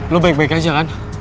lo baik baik aja kan